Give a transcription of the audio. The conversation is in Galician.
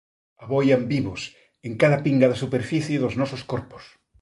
Aboian vivos, en cada pinga da superficie dos nosos corpos.